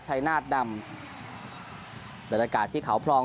ชัยนาฏดำบรรยากาศที่เขาพลอง